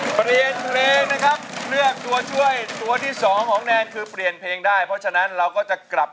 พอแล้วนะรู้จะใช้ย้ำแผ่นหนึ่งพอแล้วนะแหมค่ะ